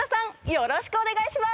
よろしくお願いします。